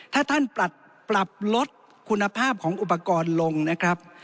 ถ้าท่านปรับลดคุณภาพของอุปกรณ์ลงนะครับ